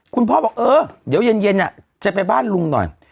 พ่อบอกเออเดี๋ยวเย็นจะไปบ้านลุงหน่อย